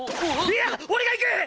いや俺が行く！